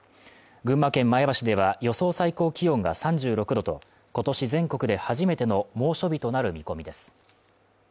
群馬県前橋では予想最高気温が３６℃と、今年全国で初めての猛暑日となる見込みです。